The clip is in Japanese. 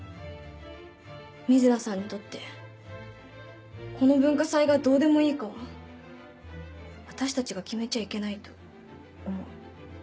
瑞奈さんにとってこの文化祭がどうでもいいかは私たちが決めちゃいけないと思う。